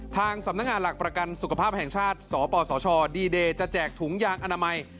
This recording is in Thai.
ทางสำนักงานหลักประกันสุขภาพแห่งชาติสปสชดีเดย์จะแจกถุงยางอนามัย